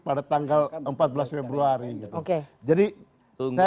pada tanggal empat belas februari gitu oke